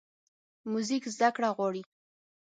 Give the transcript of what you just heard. موزیک زدهکړه غواړي.